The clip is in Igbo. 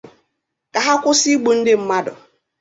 ka ha kwụsị igbu ndị mmadụ.